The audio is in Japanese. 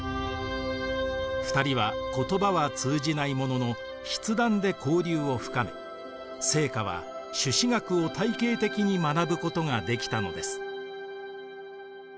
２人は言葉は通じないものの筆談で交流を深め惺窩は朱子学を体系的に学ぶことができたのです。